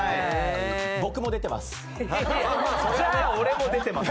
僕も出てます。